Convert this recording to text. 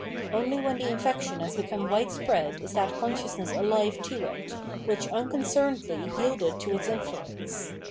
Only when the infec tion has become "widespread is that consciousness alive to it, which imconcernedly yielded to its influence.